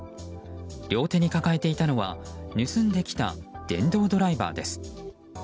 両手に抱えていたのは盗んできた電動ドライバーです。